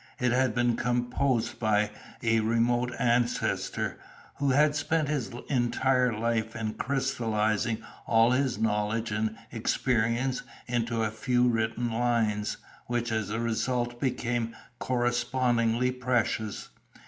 It had been composed by a remote ancestor, who had spent his entire life in crystallizing all his knowledge and experience into a few written lines, which as a result became correspondingly precious.